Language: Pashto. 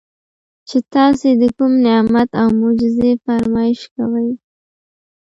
چې تاسي د کوم نعمت او معجزې فرمائش کوئ